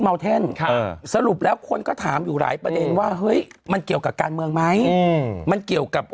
เทนสรุปแล้วคนก็ถามอยู่หลายประเด็นว่าเฮ้ยมันเกี่ยวกับการเมืองไหมมันเกี่ยวกับ